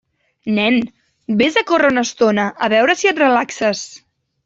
Nen, vés a córrer una estona, a veure si et relaxes.